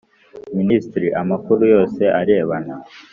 Minisitiri amakuru yose arebana